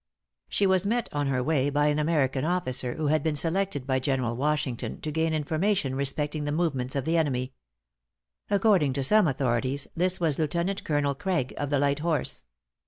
She was met on her way by an American officer, who had been selected by General Washington to gain information respecting the movements of the enemy. According to some authorities, this was Lieutenant Colonel Craig, of the light horse.